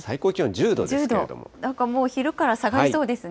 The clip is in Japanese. １０度、なんかもう昼から下がりそうですね。